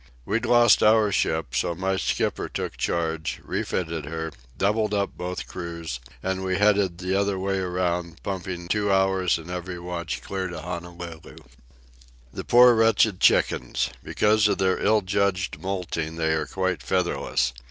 We'd lost our ship, so my skipper took charge, refitted her, doubled up both crews, and we headed the other way around, pumping two hours in every watch clear to Honolulu." The poor wretched chickens! Because of their ill judged moulting they are quite featherless.